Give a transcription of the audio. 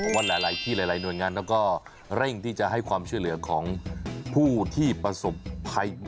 ว่าหลายที่หลายหน่วยงานเขาก็เร่งที่จะให้ความช่วยเหลือของผู้ที่ประสบภัย